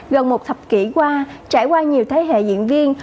gần một thập kỷ qua trải qua nhiều thế hệ diễn viên